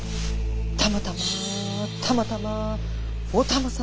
たまたまたまたまお玉様。